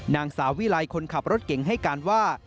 นางสาววิไลคนขับรถเก่งให้การว่า